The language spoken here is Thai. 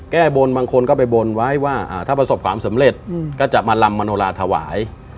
แก้บนบางคนก็ไปบนไว้ว่าถ้าประสบความสำเร็จก็จะมาลำมโนลาถวาย